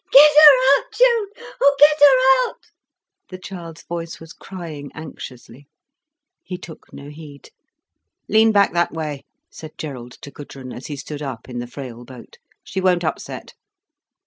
"Get her out, Gerald, oh get her out," the child's voice was crying anxiously. He took no heed. "Lean back that way," said Gerald to Gudrun, as he stood up in the frail boat. "She won't upset."